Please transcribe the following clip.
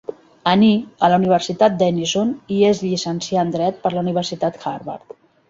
Aní a la Universitat Denison i es llicencià en Dret per la Universitat Harvard.